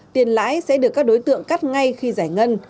tiền lãi sẽ được các đối tượng cắt ngay khi giải ngân